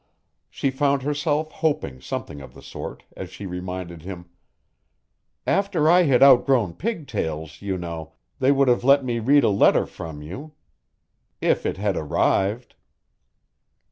She found herself hoping something of the sort as she reminded him, "After I had outgrown pigtails, you know, they would have let me read a letter from you if it had arrived."